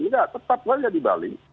tidak tetap saja di bali